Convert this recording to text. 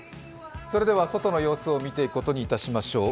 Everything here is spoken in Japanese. それでは外の様子を見ていくことにいたしましょう。